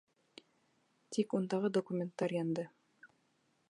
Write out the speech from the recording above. Тик ундағы документтар янды.